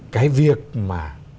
cái việc mà